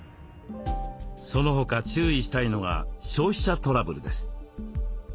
その他注意したいのが消費者トラブルです。